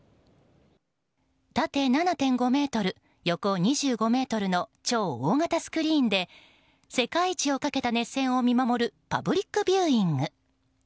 縦７．５ｍ、横２５ｍの超大型スクリーンで世界一をかけた熱戦を見守るパブリックビューイング。